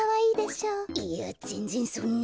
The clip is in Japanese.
いやぜんぜんそんな。